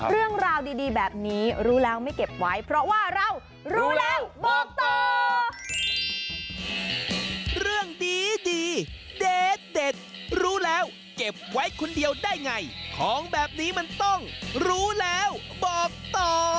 เรื่องราวดีแบบนี้รู้แล้วไม่เก็บไว้เพราะว่าเรารู้แล้วบอกต่อ